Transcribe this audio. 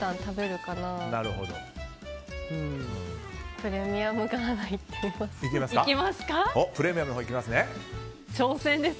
プレミアムガーナいってみます。